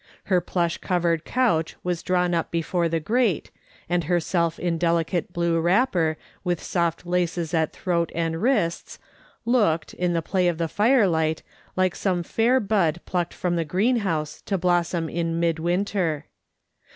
Her plush covered couch was drawn up before the grate, and herself in delicate blue wrapper, with soft laces at throat and wrists, looked, in the play of the fire light, like some fair bud picked from the greenhouse to blossom in raid winter.